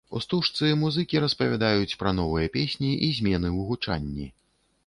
У стужцы музыкі распавядаюць пра новыя песні і змены ў гучанні.